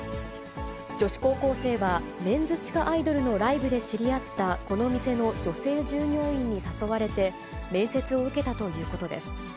女子高校生は、メンズ地下アイドルのライブで知り合ったこの店の女性従業員に誘われて、面接を受けたということです。